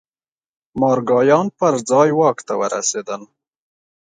مارګایان پر ځای واک ته ورسېدل.